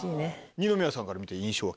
二宮さんから見て印象は？